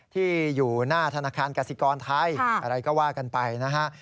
ที่อยู่หน้าธนาคารกสิกรไทยอะไรก็ว่ากันไปนะฮะ